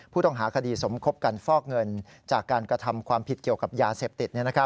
ผู้ต้องหาคดีสมคบกันฟอกเงินจากการกระทำความผิดเกี่ยวกับยาเสพติด